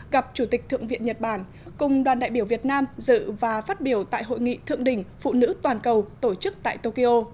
gặp chủ tịch thượng viện nhật bản cùng đoàn đại biểu việt nam dự và phát biểu tại hội nghị thượng đỉnh phụ nữ toàn cầu tổ chức tại tokyo